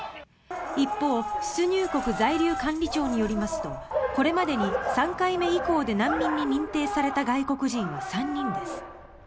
一方、出入国在留管理庁によりますとこれまでに３回目以降で難民に認定された外国人は３人です。